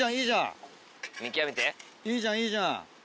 いいじゃんいいじゃん。